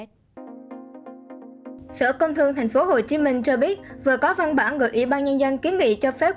công thương tp hcm cho biết vừa có văn bản gợi ý ban nhân dân kiến nghị cho phép